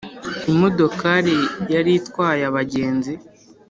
Imodokari yari itwaye abagenzi